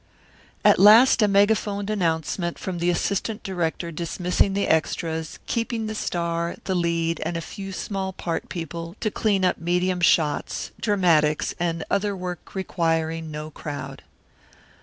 At last a megaphoned announcement from the assistant director dismissing the extras, keeping the star, the lead, and a few small part people, to clean up medium shots, "dramatics," and other work requiring no crowd.